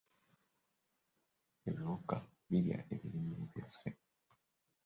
Ebiwuka birya ebirime byaffe.